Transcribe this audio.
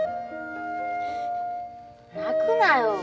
泣くなよ。